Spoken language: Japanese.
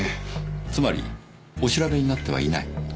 つまりお調べになってはいない。